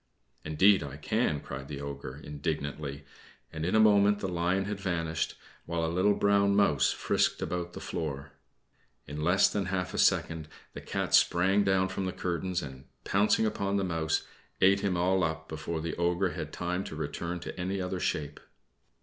"Indeed, I can," cried the Ogre, indignantly; and in a moment the lion had vanished, while a little brown mouse frisked about the floor. In less than half a second the Cat sprang down from the curtains and, pouncing upon the mouse, ate him all up before the Ogre had time to return to any other shape.